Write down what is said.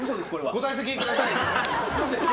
ご退席ください。